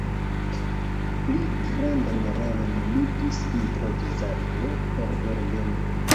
Pli grandan rolon ludis improvizado por orgeno.